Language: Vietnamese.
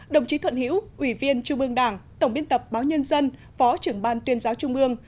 đồng chí thuận hiễu ủy viên trung ương đảng tổng biên tập báo nhân dân phó trưởng ban tuyên giáo trung ương